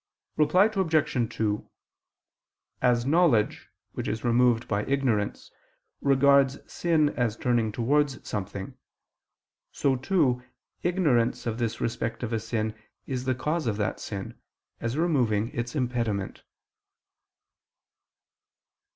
Reply Obj. 2: As knowledge, which is removed by ignorance, regards sin as turning towards something, so too, ignorance of this respect of a sin is the cause of that sin, as removing its impediment.